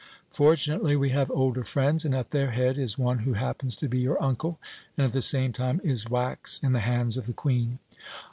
Fortunately, we have older friends, and at their head is one who happens to be your uncle and at the same time is wax in the hands of the Queen."